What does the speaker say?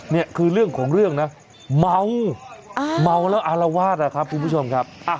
นี่คือเรื่องของเรื่องนะเมาเมาแล้วอารวาสนะครับคุณผู้ชมครับ